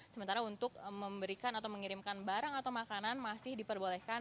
sementara untuk memberikan atau mengirimkan barang atau makanan masih diperbolehkan